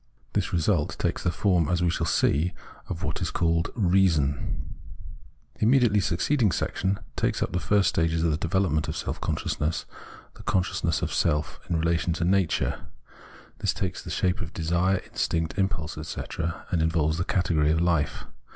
This result takes the form, as we shall see, of what is called Reason. The immediately succeeding section takes up the first stage of the development of self consciousness — the consciousness of self in relation to * Cp. Propddeutik, p. 84 ff. 163 164 Phenomenology of Mind nature. This takes the shape of Desire, Instinct, Impulse, etc., and involves the category of Life.